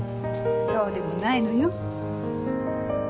そうでもないのよ。